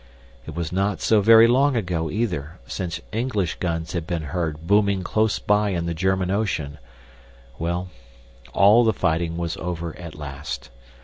It was not so very long ago, either, since English guns had been heard booming close by in the German Ocean; well all the fighting was over at last.